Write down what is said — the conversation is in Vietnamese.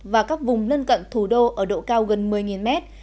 và các vùng lân cận thủ đô ở độ cao gần một mươi mét